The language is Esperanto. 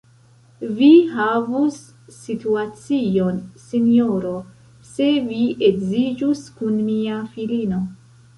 Vi havus situacion, sinjoro, se vi edziĝus kun mia filino.